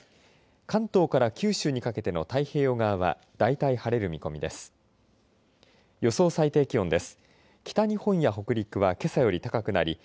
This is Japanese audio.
関東から九州にかけての太平洋側はだいたい晴れる見込みです。